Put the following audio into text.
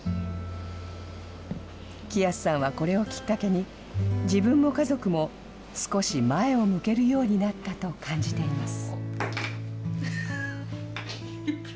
喜安さんはこれをきっかけに、自分も家族も、少し前を向けるようになったと感じています。